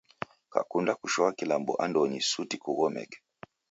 Kakunda kushoa kilambo andonyi, suti kughomeke.